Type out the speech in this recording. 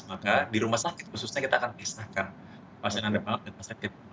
maka di rumah sakit khususnya kita akan pisahkan pasien yang demam dan sakit